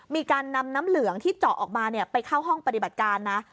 มีการนำน้ำเหลืองที่เจาะออกมาไปเข้าห้องปฏิบัติการนะ